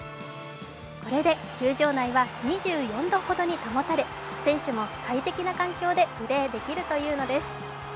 これで球場内は２４度ほどに保たれ選手も快適な環境でプレーできるというのです。